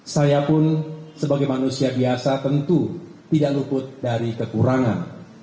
saya pun sebagai manusia biasa tentu tidak luput dari kekurangan